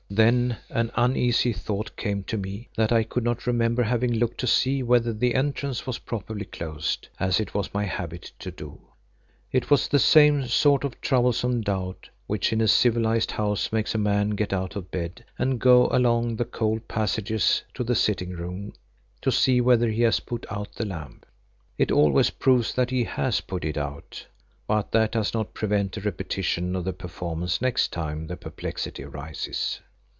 Then an uneasy thought came to me that I could not remember having looked to see whether the entrance was properly closed, as it was my habit to do. It was the same sort of troublesome doubt which in a civilised house makes a man get out of bed and go along the cold passages to the sitting room to see whether he has put out the lamp. It always proves that he has put it out, but that does not prevent a repetition of the performance next time the perplexity arises.